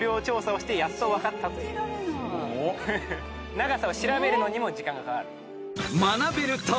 長さを調べるのにも時間がかかる。